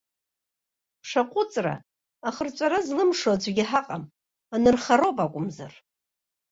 Бшаҟәыҵра, ахырҵәара злымшо аӡәгьы ҳаҟам, анырхароуп акәымзар.